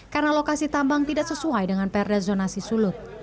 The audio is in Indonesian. karena lokasi tambang tidak sesuai dengan perda zonasi sulut